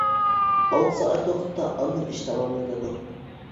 ئالتە سائەت ۋاقىتتا ئاندىن ئىش تاماملىنىدۇ.